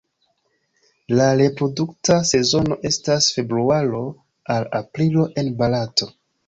La reprodukta sezono estas februaro al aprilo en Barato.